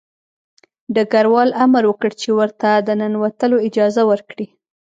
ډګروال امر وکړ چې ورته د ننوتلو اجازه ورکړي